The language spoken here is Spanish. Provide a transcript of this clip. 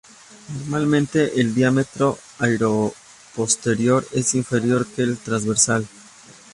Normalmente el diámetro anteroposterior es inferior que el transversal.